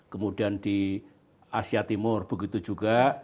kemudian di asia timur begitu juga